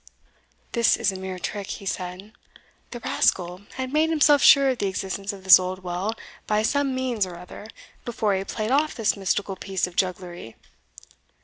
"This is a mere trick," he said; "the rascal had made himself sure of the existence of this old well, by some means or other, before he played off this mystical piece of jugglery.